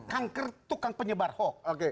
kanker tukang penyebar hoax